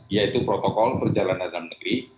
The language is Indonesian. yaitu protokol perjalanan dalam negeri